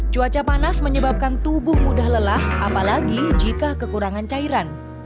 cuaca panas menyebabkan tubuh mudah lelah apalagi jika kekurangan cairan